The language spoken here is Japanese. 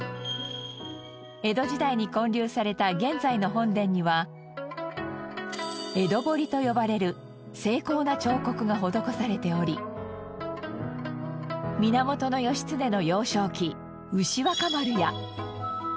江戸時代に建立された現在の本殿には江戸彫りと呼ばれる精巧な彫刻が施されており源義経の幼少期牛若丸や。